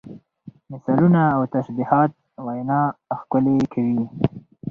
مثالونه او تشبیهات وینا ښکلې کوي.